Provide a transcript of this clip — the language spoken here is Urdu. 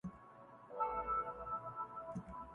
ساجد خان کو ایک مرتبہ پھر جنسی ہراسانی کے الزامات کا سامنا